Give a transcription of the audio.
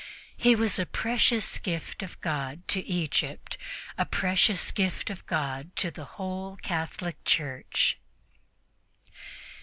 He was a precious gift of God to Egypt a precious gift of God to the whole Catholic Church.